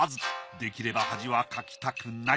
できれば恥はかきたくない。